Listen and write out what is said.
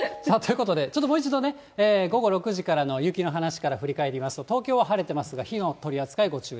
ちょっともう一度ね、午後６時からの雪の話から振り返りますと、東京は晴れてますが、火の取り扱いにご注意。